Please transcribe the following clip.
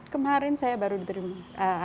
kemarin saya baru di rumah